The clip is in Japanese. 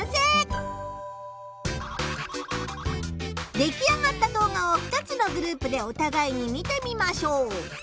できあがった動画を２つのグループでおたがいに見てみましょう。